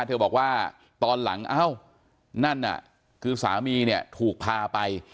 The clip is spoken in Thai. เธอบอกว่าตอนหลังเอ้านั่นน่ะคือสามีเนี่ยถูกพาไป